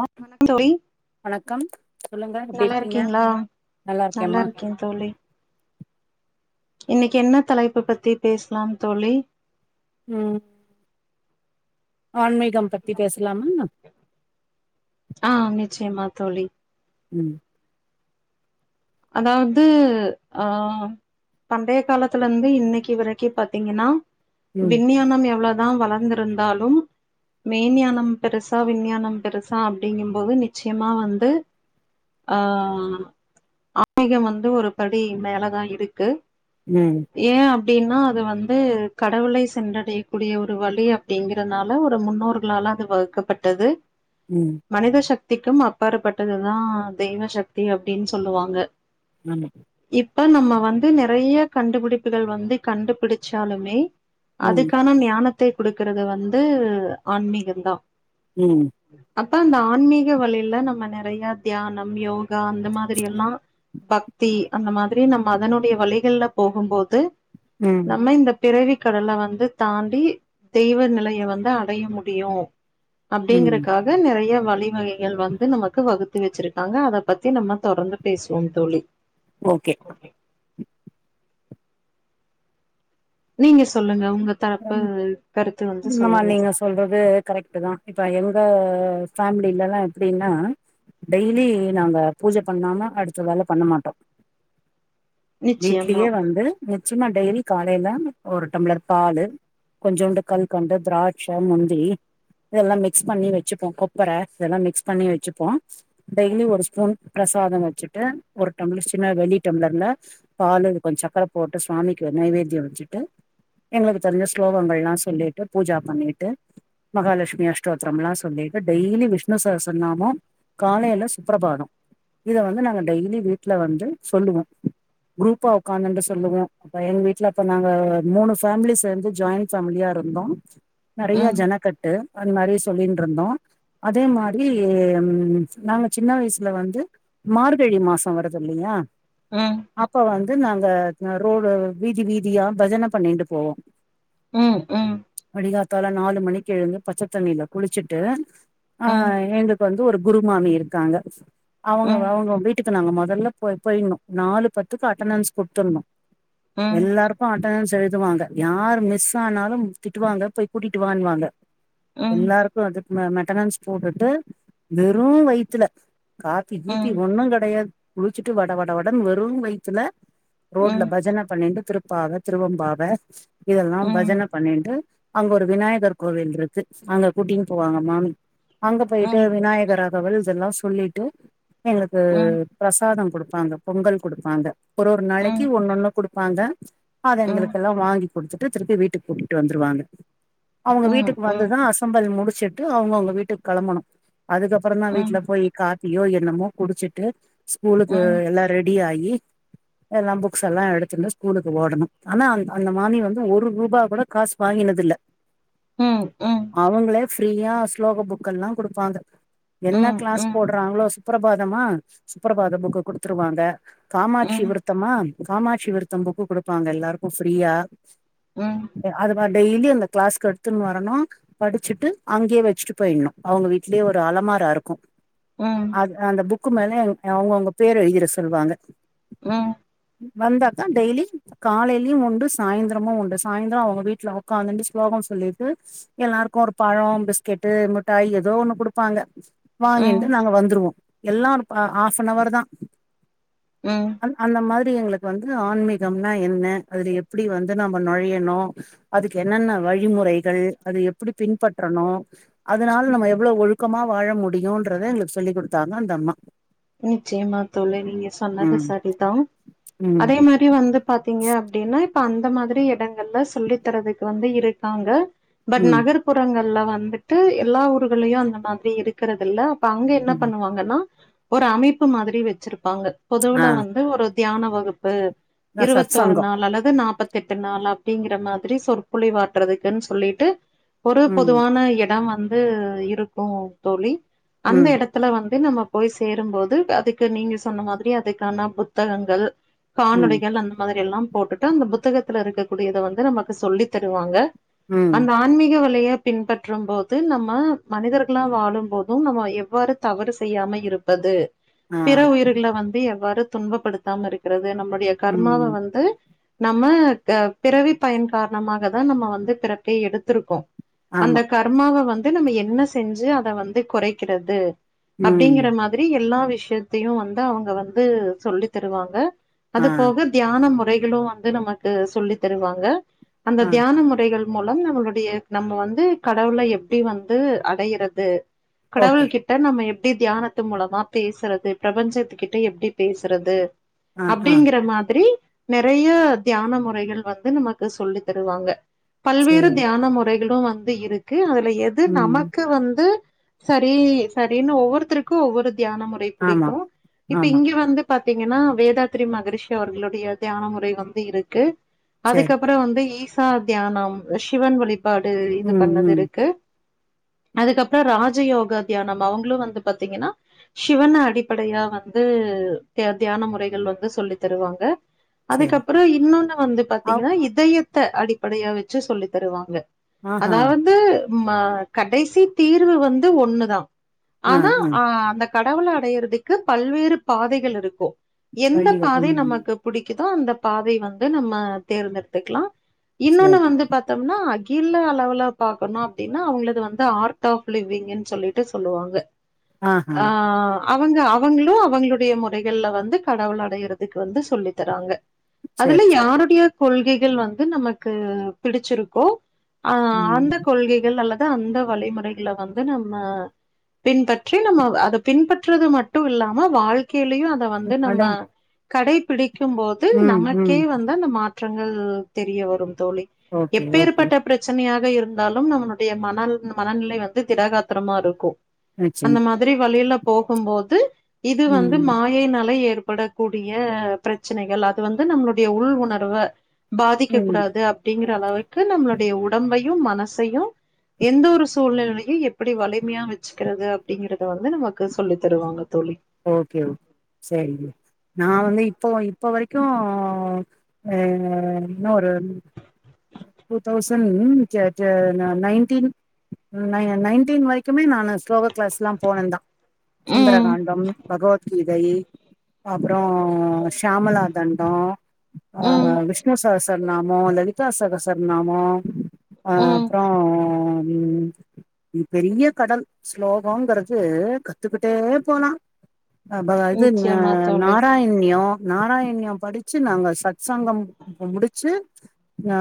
ஆ வணக்கம் தோழி வணக்கம் சொல்லுங்க எப்டி நல்லா இருக்கீங்க இருக்கீங்களா நல்லா இருக்கே தோழி இன்னிக்கு என்ன தலைப்பு பத்தி பேசலா தோழி ம் ஆன்மீகம் பத்தி பேசலாமா ச்சயமா தோழி ம் அதாவது அ பண்டைய காலத்துலந்து இன்னிக்கு வரைக்கோ பாத்தீங்கன்னா ம் விண்ஞானம் எவ்ளோ நா வளந்திருந்தாலும் மெய் ஞானம் பெருசா விண்ஞானம் பெருசா அப்டீங்கும்போது நிச்சயமா வந்து அ ஆன்மீகம் வந்து ஒரு படி மேலதா இருக்கு ம் ஏ அப் டீனா அது வந்து கடவுளை சென்றடையக்கூடிய ஒரு வழி அப்டீங்கறனால ஒரு முன்னோர்களால அது வகுக்கப்பட்டது ம் மனித சக் திக்கும் அப்பாற்பட்டதுதா தெய்வ சக்தி அப்டீனு சொல்லுவாங் க ஆமா ப நம்ம வந்து நறைய கண்டுபிடிப்புகள் வந்து கண்டுபிடிச்சாலுமே ம் அதுக்கான ஞானத் த்த குடுக்கறது வந்து ஆன்மீகோந்தா ம் அப்ப அந்த ஆன்மீக வழியில நம்ம நறைய தியானம் யோகா அந்த மாதிரி எல்லா பக்தி அந்த மாதிரி நம்ம அதனுடைய வழிகள்ல போகும்போது ம் நம்ம இந்த பிறவி கடல வந்து தாண்டி தெய்வ நிலைய வந்து அடைய முடியோ ம் அப்டீங்கறக்காக நறைய வ வழிமுறைகள் வந்து நமக்கு வகுத்து வச்சிருக்காங்க அத பத்தி நம்ம தொடர்ந்து பேசுவோம் தோழி ஓகே நீங்க சொல்லுங்க உங்க தரப்பு கருத்து வந்து [unintelligible] ஆமா சொல்லுங்க நீங்க சொல்றது கரெக்ட் தான் இப்ப எங்க அ ஃபேமிலில யெல்லாம் எப்படின்னா டெய்லி நாங்க பூஜை பண்ணாம அடுத்த வேல பண்ண மாட்டோம் நிச்சயமா வீட்லயே வந்து நிச்சியமா டெய்லி காலையில ஒரு டம்ளர் பாலு கொஞ்சோண்டு கல்கண்டு திராட்சை முந்திரி இதெல்லாம் மிக்ஸ் பண்ணி வச்சுப்போம் கொப்பர இதெல்லாம் மிக்ஸ் பண்ணி வச்சுப்போம் டெய்லி ஒரு ஸ்பூன் பிரசாதம் வச்சுட்டு ஒரு டம்ளர் சின்ன வெள்ளி டம்ளர்ல பாலு இது கொஞ்சம் சக்கர போட்டு சுவாமிக்கு நெய்வேத்தியம் வச்சுட்டு எங்களுக்கு தெரிஞ்ச ஸ்லோகங்கள் எல்லாம் சொல்லிட்டு பூஜா பண்ணிட்டு மகாலட்சுமி அஷ்டோத்தரம் எல்லாம் சொல்லிட்டு டெய்லி விஷ்ணு சகஸ்ரநாமம் காலையில சுப்பரபாதம் இத வந்து நாங்க டெய்லி வீட்ல வந்து சொல்லுவோம் குரூப்பா உட்காந்துட்டு சொல்லுவோம் இப்ப எங்க வீட்ல அப்ப நாங்க மூணு ஃபேமிலி சேர்ந்து ஜாயின் ஃபேமிலியா இருந்தோம் நெறையா ம் ஜனக்கட்டு அது மாதிரி சொல்லின் இருந்தோம் அதே மாரி ம் நாங்க சின்ன வயசுல வந்து மார்கழி மாசம் வருது இல்லையா ம் அப்ப வந் து நாங்க ரோ ரோ வீதி வீதியா பஜன பண்ணின்டுப் போவோ ம் ம் தால நாலு மணிக்கு எழுந்து பச்ச தண்ணில குளிச்சுட்டு ஆ ம் எங்க வந்து ஒரு குரு மாமி இருக்காங்க அவங்க ம் அவங்க வீட்டுக்கு நாங்க மொதல்ல போய் போயுன்னும் நாலு பத்துக்கு அட்டணன்ஸ் குடுத்துட்ணும் ம் ம் எல்லாருக்கு அட் அட்டணன்ஸ் எழுதுவாங்க யாரு மிஸ் ஆனாலும் திட்டுவாங்க போய் கூட்டிட்டுவான்னு வாங்க எல்லாருக்கும் அது ம மட்டனன்ஸ் போட்டுட்டு வெறும் வயித்துல காபி ம் கீபி ம் ஒண்ணும் கிடையா குளிச்சுட்டு வட வட வடன்னு வெறும் வயித்துல ரோட்ல ம் பஜன பண்ணின்ட்டு திருப்பாவ திருவெம்பாவ இதெல்லாம் ம் பஜன பண்ணின்ட்டு அங்க ஒரு விநாயகர் கோவில் இருக்கு அங்க கூட்டின்னு போவாங்க மாமி அங்க போயிட்டு விநாயகர் அகவல் இதெல்லாம் சொ சொல்லிட்டு எங்களுக்கு ம் ம் ம் பிரசாதம் கொடுப் ப்பாந்த பொங்கல் குடுப்பாங்க ஒரு ஒரு நாளக்கி ஒன்னொன்னு குடுப் பாந்த ச்ச அத ம் ம் எங்குளுக்கெல்லா வாங்கி குடுத்துட்டு திருப்பி வீட்டுக் கூட்டிட்டு வந்துருவாங்க அவுங்க ம் வீட்டுக் வந்துதா அசம்பல் மு சிட்டு அவுங்கவுங்க வீட்டுக் கெளம்பணு அதுக்கப்பறந்தா ம் ம் வீட்ல போயி கா ய்யோ என்னமோ குடிச்சிட்டு ஸ்கூலுக்கு எல்லா ரெட் டியாயி எல்லா புக்ஸ் எல்லா எடுத்துண்டு ஸ்கூலுக்கு ஓடணு ஆனா அந் அந்த மானி வந்து ஒரு ரூபா கூட காசு வாங்கினது இல்ல ம் ம் ஃப்ரீயா ஸ்லோக புக்கெல்லா குடுப்பாங்க என்ன ம் ம் கிளாஸ் போட்டுறாங்களோ சுப்பரபாதமா சுப்பரபாத புக்கு குடுத்துருவாங்க காமாட்சி விருத்தமா காமாட்சி விருத்தம் புக்கு குடுப்பாங்க எல்லாருக்கு ஃப்ரீயா ம் வா டெய்லி அந்த கிளாஸ்கு எடுத்துன் வரணு படிச்சுட்டு அங்கயே வச்சிட்டு போயிணு அவுங்க வீட்லயே ஒரு அலமார அருக்கோ அது அந்த புக் க்கும் மேல பேர எழுதிற சொல்லுவாங்கப்ரெண்ட் ம்ஸ வந்தாத்தா டெயிலி காலைலியு உண்டு சாயிந்திரமு உண்டு சாய்ந்தரோ அவுங்க வீட்ல ஒக்காந்துண்டு ஸ்லோகொ சொல்லிட்டு எல்லாருக்கு ஒரு பழ பிஸ்கெட்டு முட்டாய் ஏதோ ஒண்ணு கொடுப்பாங்க வாங்கின்டு ம் நாங்க வந்துருவோ எல்லா நுப் ஆ ஹாஃப் ஆன் ஹோர்தா ம் அந் அந்த மாதிரி பே எங்குளுக்கு வந்து ஆன்மீகம்னா என்ன அது எப் எப்டி வந்து நம்ம நொழையணு அதுக்கு என்னென்ன வழிமுறைகள் அது எப்புடி பின்பற்றணு அதனால நம்ம எவ்ளோ ஒழுக்கமா வாழ முடியுன்றத எங்குளுக்கு சொல்லிக் குடுத்தாங்க அந்த அம்மா நிச்சயமா தோழி நீங்க சொன்னது ம் செரிதா ம் அதே மாரி வந்து பாத்தீங்க அப்டினா ப அந்த மாதிரி எடங்கள்ல சொல்லி தரதுக்கு வந்து இருக்காங்க பட் ம் நகர்ப்புறங்கள் ல்லா வந்துட்டு எல்லா ஊர்கள்ளயு அந்த மாதிரி இருக்கறதில்ல ப அங்க என்ன ம் பண்ணுவாங்கனா ஒரு அமைப்பு மாதிரி வெச்சிருப்பாங்க ஆ பொதுவுல வந்து ஒரு தியான வகுப்பு அதா இருவத்தோரு சத்சங்கம் நாள் அல்லது நாப்பத் திட்டநாள் அப்டிங்கிற மாதிரி சொற்பொலிவாத்துறதுக்குன் சொல்லிட்டு ஒரு ம் பொதுவான எடம் வந் அது இருக்கு தோழி அந்த ம் எடத்துல வந் து நம்ம போய்ஸ் சேரும்போது அதுக்கு நீங்க சொன்ன மாதிரி அதுக்கான புத்தகங்கள் ம் காணொளிகள் அந்த மாதிரி எல்லாம் போட்டுட்டு அந்த புத்தகத்துல இருக்கக்கூடியத வந்து நமக்கு சொல்லி தருவாங்க ம் அந்த ஆன்மீக வலைய பின்பற்றும் போது நம்ம மனிதர்களா வாழும் போது நம்ம எவ்வாறு தவறு செய்யாம இருப் பது ஆ பிற உயிர்கள வந்து எவ்வாறு துன்பப்படுத்தாம இருக்கற து நம்மளுடைய கர்மாவ ம் வந்து நம்ம பிறவி பயன் காரணமாக தா நம்ம வந்து பிறப்பே எடுத்துருக்கோ அந்த ஆமா கர்மாவ வந் து நம்ம என்ன செஞ்சு அத வந்து குறைக்கிறது ம் அப்டிங்கற மாத் எல்லா விஷயத்தையு வந்து அவங்க வந்து சொல்லி தருவாங்க அது ஆ போக தியான முறை ளு வந்து நமக்கு சொல்லி தருவாங்க அந்த ஆ தியான முறைகள் மூலம் நம்மளுடைய நம்ம வந்து கடவுல எப்படி வந்து அடையறது ஓகே கடவுள் கிட்ட நம்ம எப் டி தியான த்து மூலமா பேசுறது பிரபஞ்சத்துக்கிட்ட எப்படி பேசுறது ஆ ஆ அப்டிங்கற மாதிரி நெறைய தியான முறைகள் வந்து நமக்கு சொல்லி தருவாங்க பல்வேறு சேரி தியான முறைகளு வ ந்து இருக்கு அவர் எது ம் நமக்கு வந்து சரி சரினு ஒவ்வொருத்தருக் கு ஒவ்வொரு தியான முறை ஆமா புடிக்கு இப்ப ஆமா இங்க வந்து பா பாத்தீங்கன்னா வேதாத்திரி மகரிஷி அவர்களுடைய தியான முறை வந்து இருக்கு சரி அதுக்கப்பறோ வந்து ஈஸ் ஈஸா தியானம் சிவன் வலிப் பாடு இது ம் பண்ணது ம் இருக்கு அதுக்கப்பறோ ராஜயோகா தியானம் அவங்களு வந்து பாத்தீங்கன்னா சிவன அடிப்படையா வந்து திய தியான முறைகள் வந்து சொல்லி தருவாங்க சரி அதுக்கப்பறோ இன்னொன்னு வந்து அவ் பாத்தீங்கன்னா இதய த்த அடிப்படையா வச்சி சொல்லி தருவாங்க ஆஹா அதாவது ம கடைசி தீர்வு வந்து ஒண்ணுதா ஆனா ஆ அந்த கடவுள அடையறதுக்கு பல்வேறு பாதைகள் இருக்கு எந்த வழிகள் பாதை ம் நமக்கு புடிக் தோ அந்த பாதை வந்து நம்ம தேர்ந்தெடுத்துக்லா இன்னொன்னு சரி வந்து பாத்தோம்னா கீல்ல அளவுல பாக்கணு அப்டின்னா அவங்களது வந்து ஆர்ட் ஆஃப் லிவிங்ன்னு சொல்லிட்டு சொல்லுவாங்க ஆஹா ஆ அக் அவங்க அவங்களு அவங்களுடைய முறைகள்ல வந்து கடவுள் அடையறதுக்கு வந்து சொல்லி தராங்க அதெல்லா சரி சரி யாருடைய கொள்கைகள் வந்து நமக்கு பிடிச்சிருக்கோ ஆ அந்த ம் கொள்கைகள் அல்ல அந்த வழிமுறைகள வந்து நம்ம பின்பற்றி நம்ம அதை பின்பற்றது மட்டு இல்லாம வாழ்க் கைலயு அத வந்து நம்ம அடங் கடைபிடி க்கும் போது ம் நமக்கே ம் வந்து அந்த மாற் றங்கள் தெரிய வரும் தோழி ஓகே ஓகே எப்பேற்பட்ட பிரச்சனையா க இருந்தாலும் நம்மனுடைய மனல் மனநிலை வந்து திடகாத்திரமாருக்கும் அந்த நிச்சயமா மாதிரி வழியில போகும்போது இது வந்து ம் மாயை நலை ஏற் படக்கூடிய பிரச்சனைகள் அது வந்து நம்மளுடைய உள் உணர்வ பாதிக்க ம் கூடாது அப்படிங்கிற அளவுக்கு நம்மளுடைய உடம்பை யு மனசையு எந்த ஒரு சூழ்நிலைலயு எப்படி வலிமையா வச் வச்சுக்கிறது அப்படிங்கறத வந்து நமக்கு சொல்லி தருவாங்க தோழி ஓகே ஓகே சரிங்க நா வந்து இப்போ இப்போ வரக்கு ஓ அ இன்னு ஒரு டூ தௌசண்ட் ட டா நைன்டீன் நய நயன்டீன் வரக்குமே நானு ஸ்லோகா கிளாஸ்லா போனந்தா ம் சுந்தரகாண்டம் பகவத் கீதை அப்றோ சியாமலா தண்டோ ஆ ம் விஷ்ணு சரஸர்நாமோ லலிதா சரஸ் சர் நாமோ அ ம் அப்றோ ம் நீ பெரிய கடல் ஸ்லோகங்கறது கத்துக்கிட்டே போலா அ ப இது ஞ நிச்சயமா தோழி நாராயண்யோ நாராயணியம் படிச்சு நாங்க சக்சங்கம் முடிச்சு அ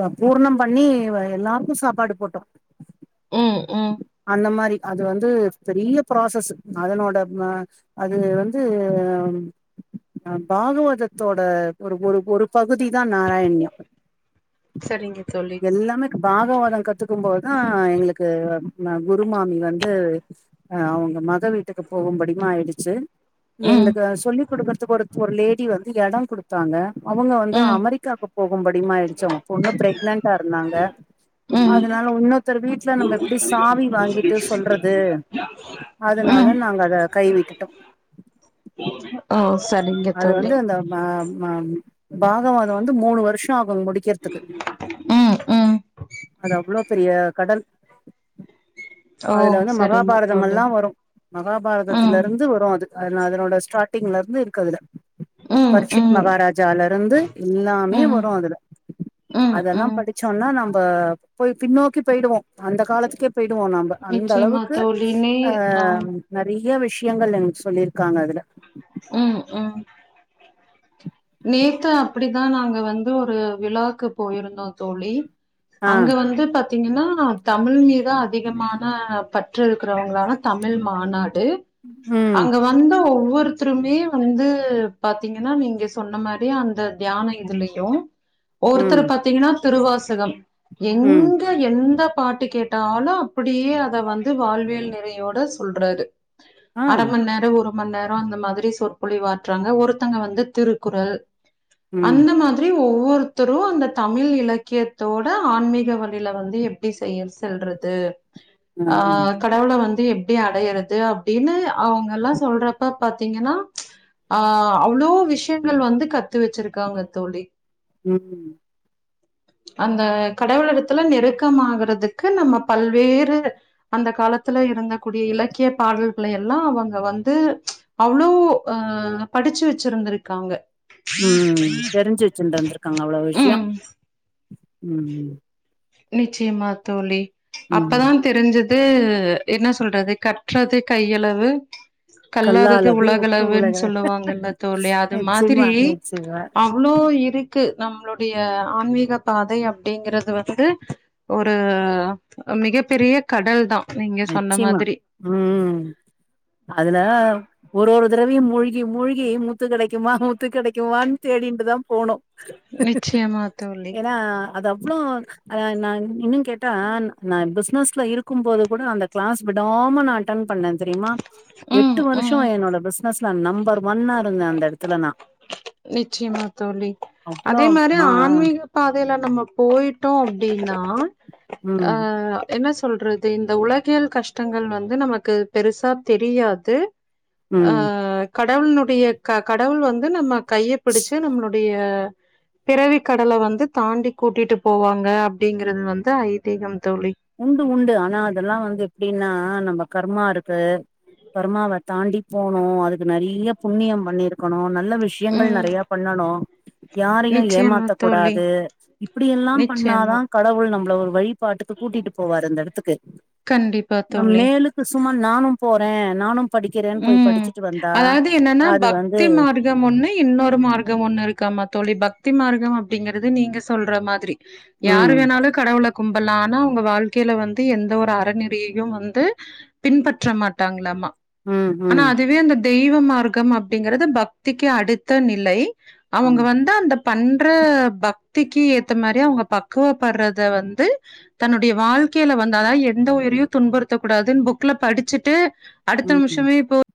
ஆ பூர்ணம் பண்ணி எல்லாருக்கு சாப்பாடு போட்டோ உம் உம் ந்த மாரி அது வந்து பெரிய ப்ராசஸு அதனோட ம் அ அது வந்து அ பாகவாதத்தோட ஒரு ஒரு ஒரு பகுதி தா நாராயண் சரிங்க தோழி எல்லாமே பாகவாதோ கத்துக்கும்போதுதா எங்குளுக்கு ம குரு மாமி வந்து அ அவுங்க மக வீட்டுக்கு போகும்படிமா ஆயிடுச்சு ம் எங்ளுக்கு அத சொல்லி குடுக்கறதுக்கு ஒருத் ஒரு லேடி வ கே இடம் குடுத்தாங்க அவுங்க வந்து ம் அமெரிக்காக்கு ம்படிமாயிடுச்சு அவுங்க பொண்ணு பிரெக்னன்டா இருந்தாங்க ம் அதனால இன்நொர்தர் வீட்டுல நம்ம எப்டி சாவி வாங்கிட்டு சொல்றது அதனால ம் நாங்க அத கைவிட்டுட்டோ ஓ சரிங்க அது தோழி வந்து அந்த மாம் ஹம் பாகவாதொ வந்து மூணு வர்ஷோ ஆகு முடிக்கறதுக்கு ம் ம் அது அவ்ளோ பெரிய கடல் ஓ அதுல வந்து சரிங்க தோழி மகாபாரதம்லா வரு மகாபாரதத்துலட்சி ம் இருந்து வரு அது ஆனா அதனோட ஸ்டாட்டிங்ல இருந்து இரு கதுல ம் பர்ஷித் ம் மகாராஜால இருந்து எல்லாமே ம் வரு அதுல ம் அதெல்லாம் ம் படிச்சோன்னா நம்ப போய் பின்னோக்கி போயிடுவோ அந்த காலத்துக்கே போயிடுவோ நம்ப அந்த நிச்சயமா அளவுக்கு தோழி நே ஆ நறைய விஷ் டியங்கள் எனக் சொல்லிருக்காங்க அதுல ம் ம் நேத்து அப்டிதா நாங்க வந்து ஒரு விழாக்கு போயிருந்தோ தோழி ஆ அங்க வந்து பத் த்தீங்கன்னா தமிழ் மீது அதிகமான பற்றிருக்கிறவங்களால தமிழ் மாநா டு ம் அங்க வந்து ஒ ஒருத்ருமே வந்து பாத்தீங்கன்னா நீங்க சொன்ன மாரியே அந்த தியான இதுலியு ஒவ்வொத்தர ம் பாத்தீங்கனா துருவாசகம் ம் எங்க எந்த பாட்டு கேட்டாலு அப்டியே அத வந்து வாழ்வியல் நிறையோட சொல்றாரு ஆ அர மண் நேரம் ஒரு மண் நேரம் அந்த மாதிரி சொ புளி வாற்றாங்க ஒருத்தங்க வந்து திரு குரல் ம் அந்த மாதிரி ஒவ்வொரு தரு அந்த தமிழ் இலக்கியத்தோட ஆன்மீக வழியில வந்து எப்படி செய் செல்றது ஆ கடவுள வந்து எப் அப்டி அடையறது அப்டின்னு அவங்கல்லா சொல்றப்ப பாத்தீங்கன்னா ஆ அவ்ளோ விஷ் விஷயங்கள் வந்து கத்து வச்சிருக்காங்க தோழி ம் அந்த கடவுள் இடத்துல நெருக்கமாகுறதுக்கு நம்ம பல்வேறு அந்த காலத்துல இருந்தக்கூடிய இலக்கிய பாடல்களை எல்லா அவங்க வந்து அவ்வளவு ஆ படிச்சு வச்சிருந்திருக் க்காங்க ம் தெரிஞ்சு வச்சுண்டுருந்திருக்காங்க அவ்ளோ விஷய ம் ம் நிச்சயமா தோழி ம் அப்பதா தெரிஞ்ச து என்ன சொல்றது கட்டுறது கையளவு கல்லாதது கல்லாலது உட்டு உலகளவுன்னு உலக சொல்லுவாங்கல்ல தோழி அது நிச்சயமா மாதிரி நிச்சயமா அவ்ளோ இருக் க்கு நம்மளுடைய ஆன்மீக பாதை அப்டிங்கறது வந்து ஒரு மிக பெரிய கடல் தா நீங்க சொன்ன நிச்சயமா மாதிரி ம் அதுல ஒரு ஒருத் டவ மூழ்கி மூழ்கி முத்து கெடைக்குமா முத்து கெடைக்குமான்னு தேடிண்டுதா போணோ நிச்சயமா தோழி அது அவ்வளோ அ நா இன்னு கேட்டா நா பிஸ்னஸ்ல இருக்கும் போது கூட அந்த கிளாஸ் விடாம நா அடென் பண்ண தெரியுமா எட்டு ம் வருஷ ம் என்னோட பிசினஸ் நம்பர் ஒன்னா இருந்த அந்த இடத்துல நா நிச்சயமா தோழி அவ்ளோ அதே மாரி மா ஆன்மீக பாதையில நம்ம போயிட்டோ அப்டின்னா ஆ ம் அ என்னாஷ் சொல்றது இந்த உலகல் கஷ்டங்கள் வந்து நமக்கு பெருசா தெரியாது அ ம் கட் கடவுளனுடைய க கடவுள் வந்து நம்ம கையைப்பிடிச்சி நம்மளுடைய பிறவி கடல வந்து தாண்டி கூட்டிட்டு போவாங்க அப்டிங்கறது வந்து ஐதீகம் தோழி உண்டு உண்டு ஆனா அதெல்லா வந்து எப்டின்னா அ நம்ம கர்மாருக்கு கர்மாவ தாண்டி போனோ அதுக்கு நெறிய புண்ணியம் பண்ணிருக்கணு நல்ல விஷயங்கள் ம் நெறைய பண்ணணு யாரையு நிச்சயமா ஏமாத்தக்க தோழி கூடாது இப்டி எல்லா பண்ணாதா நிச்சயமா கடவுள் நம் கு ஒரு வழிபாட்டுக்கு கூட்டிட்டு போவாரு அந்த எடத்துக்கு கண்டிப்பா நம் தோழி மேலுக்கு சும்மா நானு போற நானும் படிக்கிறேன்னு போய் ம் படிச்சுட்டு வந்தா அதாவது என்னன்னா அது வந்து பக்தி மார்க்கம் ஒன்னு இன்னொரு மார்க்கம் ஒன்னுருக்காமா தோழி பக்தி மார் கம் அப்டிங்கறது நீங்க சொல்ற மாதிரி யாரு ம் வேணாலு கடவுளக் கும்பல்லா ஆனா அவுங்க வாழ்க்கையில வந்து எந்த ஒரு அறநெறியையு வந்து பின்பற்ற மாட்டாங்களாமா ம் ம் ஆனா, அதுவே அந்த தெய்வ மார்க்கம் அப்டிங்கிறது பக்திக்கு அடுத்த நிலை அவங்க ஆமா வந்து அந்த பண்ற பக் த்திக்கு ஏத்த மாரி அவுங்க பக்குவப்படுறத வந்து தன்னுடைய வாழ்க்கையில வந்து அதாது எந்த உயிரியு துன்புறுத்த கூடாதுன் புக்ல படிச்சிட்டு அடுத்த ம் நிமிஷமே இப்போ